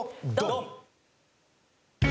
ドン！